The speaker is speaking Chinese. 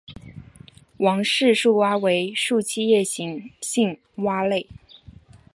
王氏树蛙为树栖夜行性蛙类。